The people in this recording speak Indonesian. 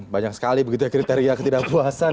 banyak sekali begitu ya kriteria ketidakpuasan